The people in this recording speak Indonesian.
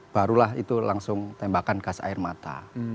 barulah itu langsung tembakan gas air mata